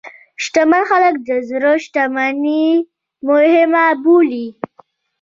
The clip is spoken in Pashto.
شتمن خلک د زړه شتمني مهمه بولي.